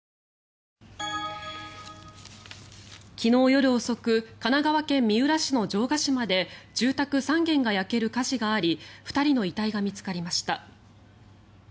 昨日夜遅く神奈川県三浦市の城ケ島で住宅３軒が焼ける火事があり２人の遺体が見つかりました。